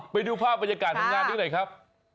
ไปดูภาพบรรยากาศของงานนี้หน่อยครับ